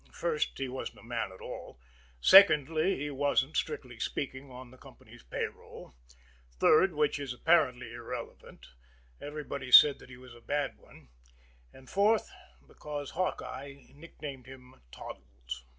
First, he wasn't a man at all; second, he wasn't, strictly speaking, on the company's pay roll; third, which is apparently irrelevant, everybody said he was a bad one; and fourth because Hawkeye nicknamed him Toddles.